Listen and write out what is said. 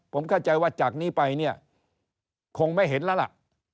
ผมเข้าใจว่าจากนี้ไปเนี่ยคงไม่เห็นแล้วล่ะ